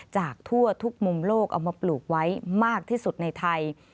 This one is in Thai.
จากทั่วทุกมุมโลกเอามาปลูกไว้มากที่สุดในไทย